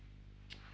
terima kasih pak